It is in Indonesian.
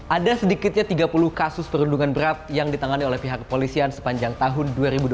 ada sedikitnya tiga puluh kasus perundungan berat yang ditangani oleh pihak kepolisian sepanjang tahun dua ribu dua puluh